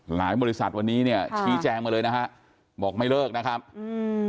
บริษัทวันนี้เนี่ยชี้แจงมาเลยนะฮะบอกไม่เลิกนะครับอืม